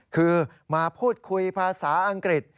คือมาพูดคุยภาษาอังกฤษ